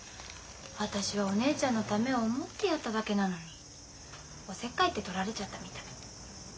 私はお姉ちゃんのためを思ってやっただけなのにおせっかいって取られちゃったみたい。